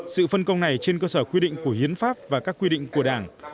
sự phân công này trên cơ sở quy định của hiến pháp và các quy định của đảng